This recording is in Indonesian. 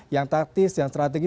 yang taktis yang strategis